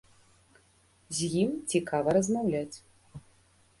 З ім цікава размаўляць.